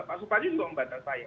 pak supadi juga lembaga saya